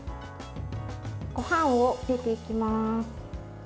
ごはんを入れていきます。